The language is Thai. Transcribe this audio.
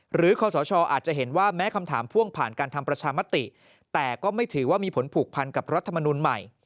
คอสชอาจจะเห็นว่าแม้คำถามพ่วงผ่านการทำประชามติแต่ก็ไม่ถือว่ามีผลผูกพันกับรัฐมนุนใหม่